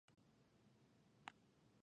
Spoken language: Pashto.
هغه د خپلې اندیشې مطابق ژوند نشي کولای.